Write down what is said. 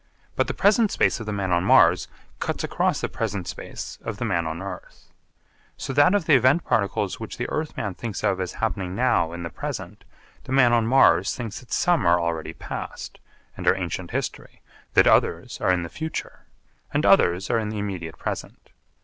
But the present space of the man on Mars cuts across the present space of the man on the earth. So that of the event particles which the earth man thinks of as happening now in the present, the man on Mars thinks that some are already past and are ancient history, that others are in the future, and others are in the immediate present.